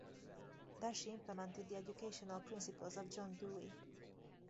There she implemented the educational principles of John Dewey.